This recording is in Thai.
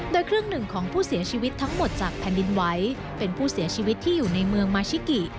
โดยครึ่งหนึ่งของผู้เสียชีวิตทั้งหมดจากแผ่นดินไหวเป็นผู้เสียชีวิตที่อยู่ในเมืองมาชิกิ